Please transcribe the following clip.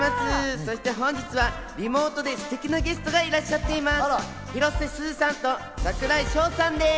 そして本日はリモートでステキなゲストがいらしゃっています。